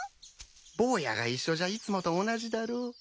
ボーヤが一緒じゃいつもと同じだろ？